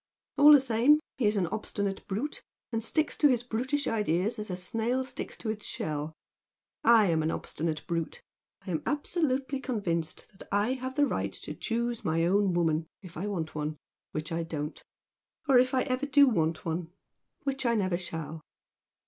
All the same he is an obstinate brute, and sticks to his brutish ideas as a snail sticks to its shell. I am an obstinate brute! I am absolutely convinced that I have the right to choose my own woman, if I want one which I don't, or if ever I do want one which I never shall!"